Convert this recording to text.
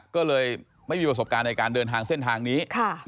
ก็เลยไม่มีประสบการณ์ในการเดินทางเส้นทางนี้